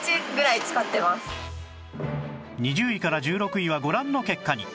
２０位から１６位はご覧の結果に